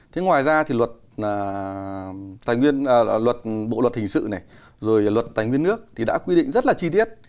thế ngoài ra thì luật bộ luật hình sự này rồi luật tài nguyên nước thì đã quy định rất là chi tiết